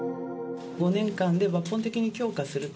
５年間で抜本的に強化すると。